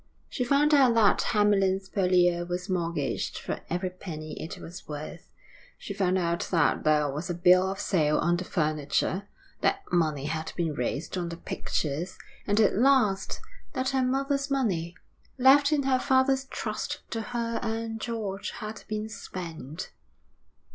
She found out that Hamlyn's Purlieu was mortgaged for every penny it was worth, she found out that there was a bill of sale on the furniture, that money had been raised on the pictures; and, at last, that her mother's money, left in her father's trust to her and George, had been spent.